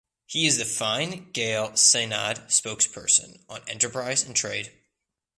He is the Fine Gael Seanad Spokesperson on Enterprise and Trade.